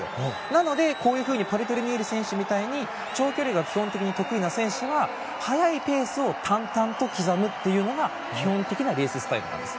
なので、こういうふうにパルトリニエリ選手みたいに長距離が基本的に得意な選手は速いペースを淡々と刻むっていうのが基本的なレーススタイルなんです。